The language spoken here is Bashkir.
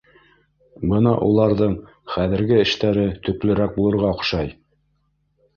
Бына уларҙың хәҙерге эштәре төплөрәк булырға оҡшай.